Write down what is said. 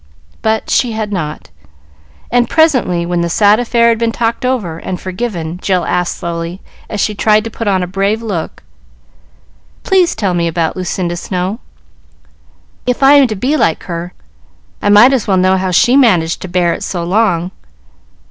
But she had not; and presently, when the sad affair had been talked over and forgiven, Jill asked, slowly, as she tried to put on a brave look, "Please tell me about Lucinda Snow. If I am to be like her, I might as well know how she managed to bear it so long."